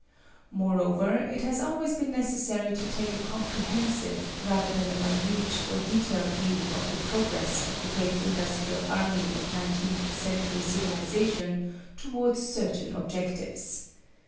Moreover, it has always been necessary to take a comprehensive, rather than a minute or detailed, view of the progress of the great industrial army of nineteenth century civilisation towards certain objectives.